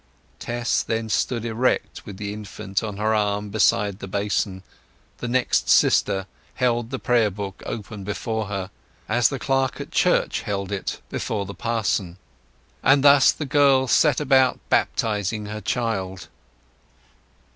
Tess then stood erect with the infant on her arm beside the basin; the next sister held the Prayer Book open before her, as the clerk at church held it before the parson; and thus the girl set about baptizing her child.